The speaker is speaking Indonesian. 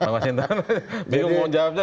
mas indra bingung mau jawabnya